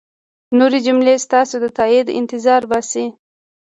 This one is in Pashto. نورې جملې ستاسو د تایید انتظار باسي.